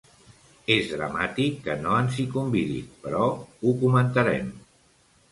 És dramàtic que no ens hi convidin, però ho comentarem.